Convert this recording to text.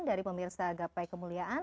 dari pemirsa gapai kemuliaan